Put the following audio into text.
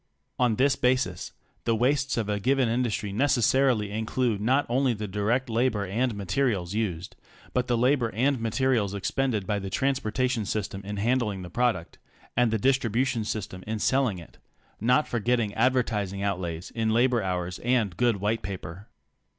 On this basis, the wastes of a given industry necessarily include not only the direct labor and materials used, but the labor and materials expended by the transportation system in handling the product, and the distribution system in sell ing it — not forgetting advertising outlays in labor hours and good white paper.